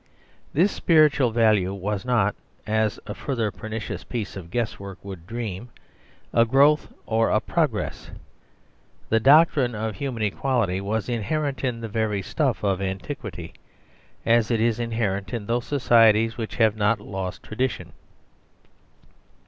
This spiritual value was not, as a further pernicious 32 OUR SERVILE CIVILISATION piece of guess work would dream, a " growth " or a " progress." The doctrine of human equality was in herent in the very stuff of antiquity, as it is inherent in those societies which have not lost tradition.